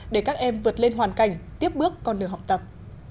để các em vượt lên hoàn cảnh tiếp bước con đường học tập